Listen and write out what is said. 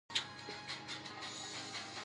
زموږ په خاوره انتظار کې مېړني پیدا کېږي.